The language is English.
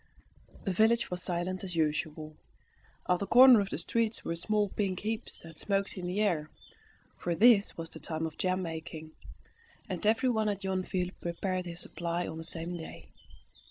The village was silent as usual. At the corner of the streets were small pink heaps that smoked in the air, for this was the time for jam making, and everyone at Yonville prepared his supply on the same day.